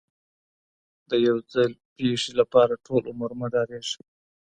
د یو ځل پیښې لپاره ټول عمر مه ډارېږه.